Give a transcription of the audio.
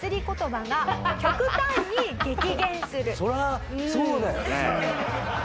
そりゃそうだよね。